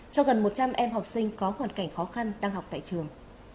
cho gần một trăm linh em học sinh có hoàn cảnh khó khăn đang học tại trường